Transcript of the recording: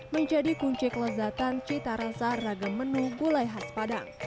menjadi kunci kelezatan cita rasa ragam menu gulai khas padang